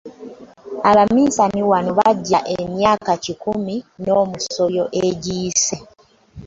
Abaminsani wano bajja emyaka kikumi n'omusobyo egiyise.